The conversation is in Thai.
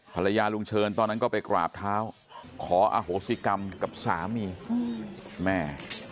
ภรรยาลุงเชิญตอนนั้นก็ไปกราบเท้าขออโหสิกรรมกับสามีแม่